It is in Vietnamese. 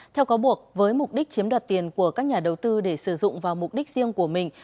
theo cáo buộc với mục đích chiếm đoạt tiền của các nhà đầu tư để sử dụng vào mục đích riêng của mình